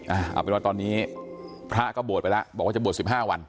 เอาเป็นว่าตอนนี้พระก็บวชไปแล้วบอกว่าจะบวชสิบห้าวัน